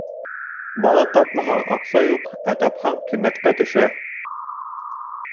Бала тапмаһаң — аҡса юҡ, ә тапһаң — ҡиммәткә төшә.